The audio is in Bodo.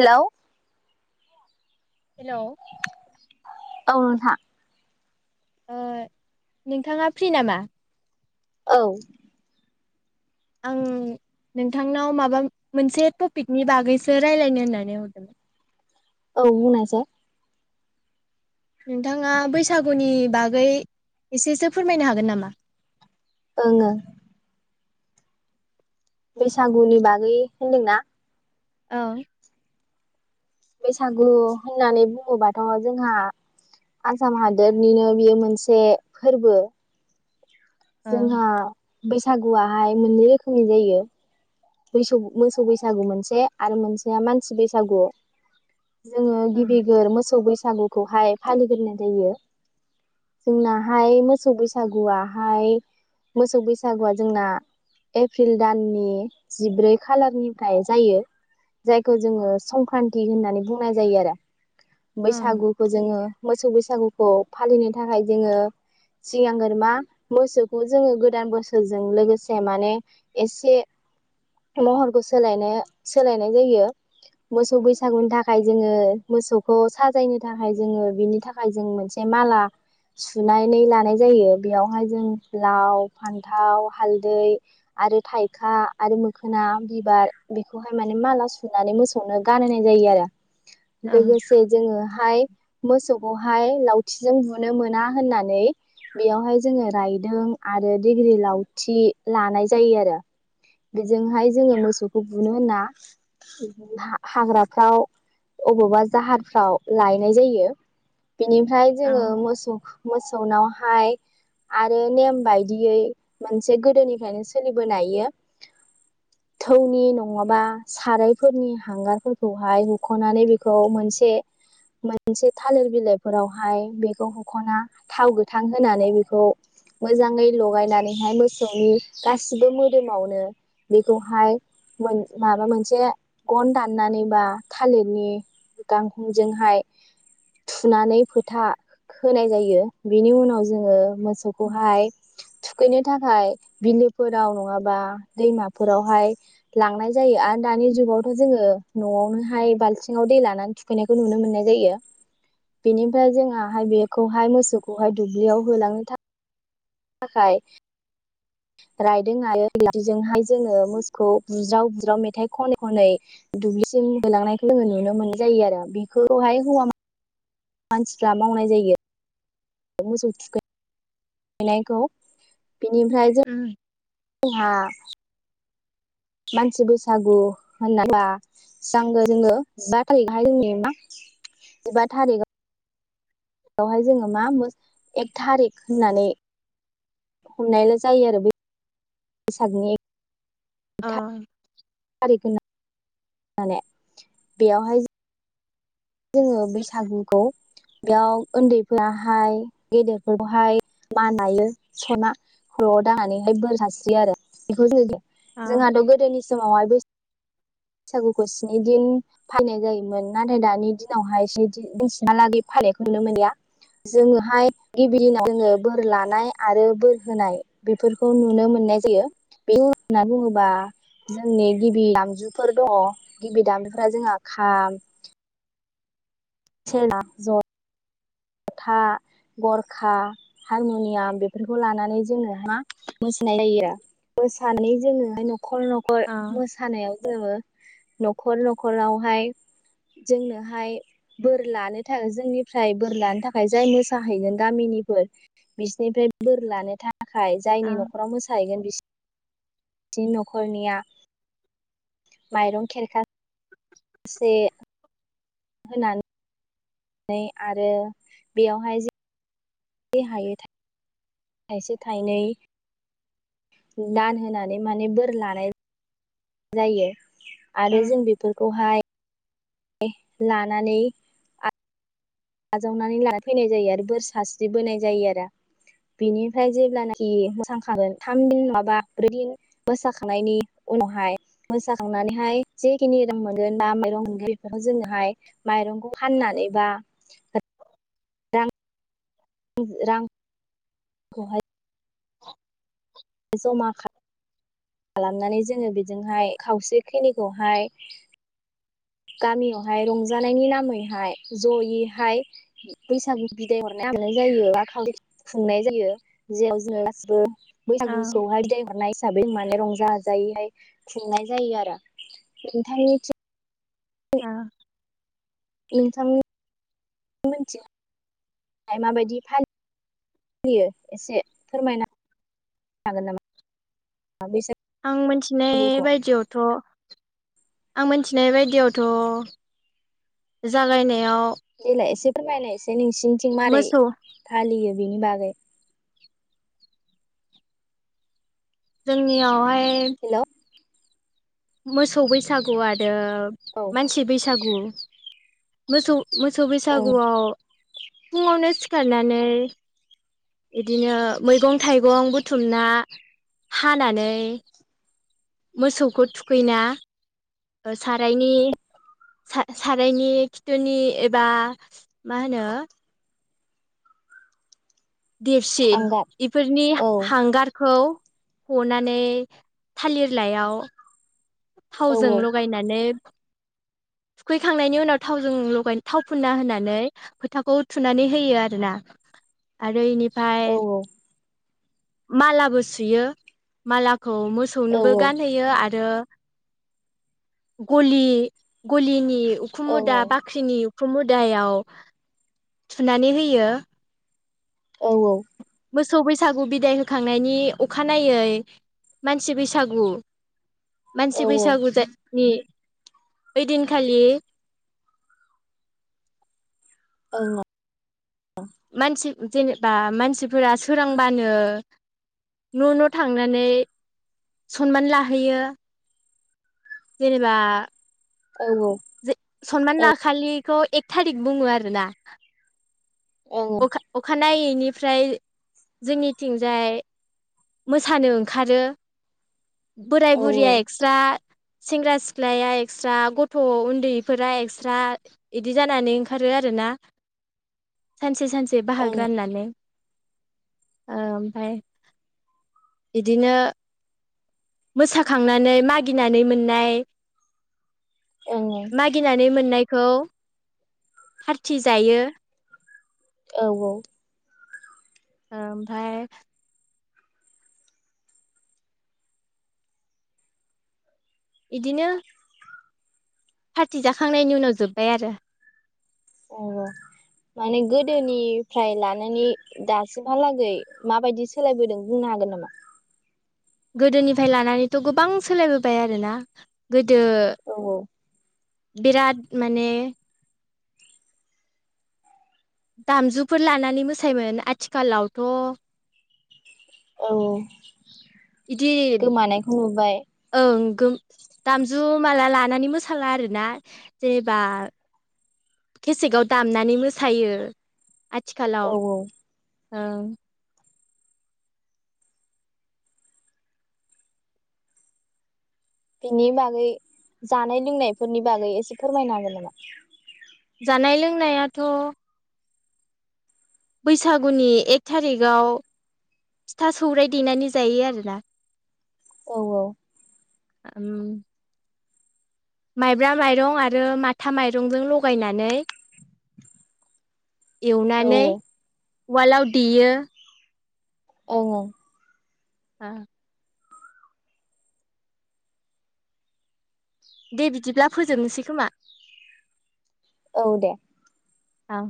हेलौ हेलौ औ नोंथां ओ नोंथाङा फ्रि नामा? औ आं नोंथांनाव माबा मोनसे टपिकनि बागैसो रायलायनो होननानै हरदोंमोन। औ बुंनायसाय। नोंथाङा बैसागुनि बागै एसेसो फोरमायनो हागोन नामा? ओं ओं बैसागुनि बागै होनदोंना। औ बैसागु होननानै बुङोबाथ' जोंहा आसाम हादोरनिनो बियो मोनसे फोरबो। ओं जोंहा बैसागुवाहाय मोननै रोखोमनि जायो। बैसम मोसौ बैसागु मोनसे आरो मोनसेया मानसि बैसागु जोङो ओं गिबिगोर मोसौ बैसो बैसागुखौहाय फालिग्रोनाय जायो जोंनाहाय मोसौ बैसागुवाहाय मोसौ बैसागुआ जोंना एप्रिल दाननि जिब्रै खालारनिफ्राय जायो जायखौ जोङो संक्रान्ति होननानै बुंनाय जायो आरो। बैसागुखौ जोङो मोसौ बैसागुखौ खौ फालिनो थाखाय जोङो सिनांगोन मा मोसौखौ जोङो गोदान बोसोरजों लोगोसे माने एसे महरखौ सोलायनो सोलायनाय जायो मोसौ बैसागुनि थाखाय जोङो मोसौखौ साजायनो थाखाय जोङो बिनि थाखाय जों मोनसे माला सुनानै लानाय जायो बेयावहाय जों लाव, फान्थाव, हालदै आरो थाइखा आरो मोखोना बिबार बेखौहाय माने माला सुनानै मोसौनो गानहोनाय जायो आरो ओं ओं लोगोसे जोङोहाय मोसौ बेहाय लावथिजों बुनो मोना होननानै बेयावहाय जोङो रायदों आरो डिग्रि लावथि लानाय जायो आरो। बेजोंहाय जोङो मोसौखौ बुनो होनना हाग्राफ्राव अबावबा जाहारफ्राव लायनाय जायो। बिनिफ्राय जोङो ओं मोसौ मो सौनावहाय आरो नेम बायदियै मोनसे गोदोनिफ्रायनो सोलिबोनायो थौनि नङाबा सारायफोरनि हांगारफोरखौहाय हुखनानै बेखौ मोनसे मोनसे थालिर बिलाइफोरावहाय बेखौ हुखना थाव गोथां होनानै बेखौ मोजाङै लगायनानैहाय मोसौनि गासिबो मोदोमाव बेखौहाय माबा मोनसे गन दाननानै बा थालिरनि गांखंजोंहाय थुनानै फोथा होनाय जायो बेनि उनाव जोङो। मोसौखौहाय थुखैनो थाखाय बिलोफोराव नङाबा दैमाफोरावहाय लांनाय जायो आरो दानि जुगावथ जोङो नआवनोहाय बाल्थिङाव दै लानानै थुखैनायखौ नुनो मोननाय जायो बेनिफ्राय जोंहाहाय बेखौहाय मोसौखौहाय दुब्लियाव होलांनो थाखाय थाखाय रायदों आरो [unintelligible] जोंहाय जोङो मोसौखौ बुज्राव बुज्राव मेथाइ खनै खनै दुब्लिसिम होलांनायखौ जोङो नुनो मोननाय जायो आरो बेखौहाय हौवा मानसिफ्रा मावनाय जायो। मोसौ थुखै नायखौ बिनिफ्राय जों उम हा मानसि बैसागु होनोब्ला जोङो जिबा थारिखआवहाय जोंनि मा जिबा थारिख आवहाय जोङो मा एक थारिक होननानै हमनायल जायो आरो बैसागुनि अ [unintelligible] माने बेयावहाय जोङो बैसागुखौ बेयाव उन्दैफोराहाय गेदेरफोरखौहाय मान लायो सना खरआव दांनानैहाय बोर सस्रियो आरो बेखौ जों अ जोंहाथ गोदोनि समावहाय बैसागुखौ स्नि दिन फालिनाय जायोमोन नाथाय दानि दिनावहाय एसे [unintelligible] हालागै फालिनायखौ नुनो मोनलिया जोङोहाय गिबि दिनाव जोङो बोर लानाय आरो बोर होनाय बेफोरखौ नुनो मोननाय जायो बेखौ होनना बुङोबा जोंनि गिबि दामजुफोर दङ गिबि दामजुफोरा जोंहा खाम, [unintelligible] जथा, गरखा हारमुनियाम बेफोरखौ लानानै जोङो हा मोसानाय जायो आरो मोसानानै जोङो न खर नखर अ मोसानायाव जोङो नखर नखरावहाय जोंनोहाय बोर लानो थाखाय जोंनिफ्राय बोर लानो थाखाय जाय मोसाहैगोन गामिनिफोर बिसोरनिफ्राय बोर लानो थाखाय अ जायनि नखराव मोसाहैगोन बि बिसिनि नखरनिया माइरं खेरखा से होना नै आरो बेयावहाय [unintelligible] थाइसे थाइनै दान होनानै माने बोर लानाय जायो। अ आरो जों बेफोरखौहाय लानानै आजावनानै लानानै फैनाय जायो आरो बोर सास्रिबोनाय जायो आरो बेनिफ्राय जेब्लानाखि मोसाखागोन थाम दिन नङाबा ब्रैदिन मोसाखांनायनि उनावहाय मोसाखांनानैहाय जेखिनि रां मोनगोन बा माइरं मोनगोन बेफोरखौ जोङोहाय माइरंखौ फाननानै बा [inaudible] [unintelligible] औ रां खौहाय [inaudible] जमा खालामनानै जोङो बेजोंहाय खावसे खिनिखौहाय गामियावहाय रंजानायनि नामैहाय जयैहाय बैसागु बिदाय हरनाय हाबनाय जायो बा खावै खुंनाय जायो [inaudible] अ बैसागुआवहाय बिदायहरनाय हिसाबै माने रंजा बाजायैहाय खुंनाय जायो आरो नोंथांनि औ। [inaudible] एसे फोरमायना हागोन नामा आं मिथिनाय बायदियावथ' आं मिथिनाय बायदियावथ' जालायनायाव देलाय एसे [unintelligible] बे नोंसिनिथिं माबोरै मोसौ फालियो बिनि बागै जोंनि आवहाय हेलौ मोसौ बैसागु आरो औ मानसि बैसागु मोसौ मोसौ ओं बैसागुआव फुङावनो। सिथारनानै बिदिनो मैगं थाइगं बुथुमना हानानै। मोसौखौ थुखैना सारायनि सारायनि खिथुनि एबा मा होनो। देपसि थांगार बेफोरनि औ हांगारखौ। हनानै थालिर लाइयाव औ थावजों औ लगायनानै थुखैखांनायनि उनाव थावजों लगाय थाव फुनना होनानै फोथाखौ थुनानै होयो आरोना आरो इनि फ्राय औ मालाबो सुयो माला खौ औ मोसौनोबो गानहोयो आरो। गलि गलिनि औ उखुममुदा बाख्रिनि उखुममुदायाव थुनानै होयो। औ औ। मोसौ बैसागु बिदाय होखांनायनि अखानायै मानसि बैसागु मानसि औ बैसागु नि ओइदिनखालि औ औ‌ मानसि जेनेबा मानसिफोरा सोरांबानो न न थांनानै सनमान लाहैयो। जेनेबा औ जे सनमान लाखालि खौ एख थारिक बुङो आरोना। ओं औ अखा अखा नायैनिफ्राय जोंनिथिंजाय मोसानो ओंखारो। बोराय औ बुरिया एक्सट्रा सेंग्रा सिख्लाया एक्सट्रा ग थ उन्दैफोरा एक्स्रा इदि जानानै ओंखारो आरोना सानसे सान से बाहाग ओं राननानै। ओमफाय इदिनो मोसाखांनानै मागिनानै मोननाय ओं मागिनानै मोननाय खौ फार्थि जायो। औ औ। ओमफाय इदिनो फार्टि जाखांनायनि उनाव जोब्बाय आरो। औ माने गोदोनिफ्राय लानानै दासिमहालागै माबायदि सोलायबोदों बुंनो हागोन नामा? गोदोनिफ्राय लानानैथ गोबां सोलायबोबाय आरोना गोदो औ बिराद माने दामजुफोर लानानै मोसायोमोन आथिखालावथ औ औ इदि गोमानायखौ नुबाय ओं गोम दामजु माला लानानै मो साला आरोना जेनेबा केसेकआव दामनानै मोसायो आथिखालाव औ औ ओं बेनि बागै जानाय लोंनायफोरनि बागै एसे फोरमायनो हागोन नामा जानाय लोंनायाथ बैसागुनि एक थारिगाव फिथा सौराइ देनानै जायो आरोना औ औ [unintelligible] माइब्रा माइरं आरो माथा माइरंजों लगायनानै औ एवनानै वालाव देयो औ औ [unintelligible] दे बिदिब्ला फोजोबनोसै खोमा औ दे औ